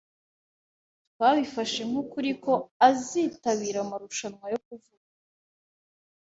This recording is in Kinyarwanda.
Twabifashe nk'ukuri ko azitabira amarushanwa yo kuvuga.